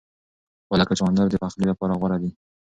پالک او چغندر د پخلي لپاره غوره دي.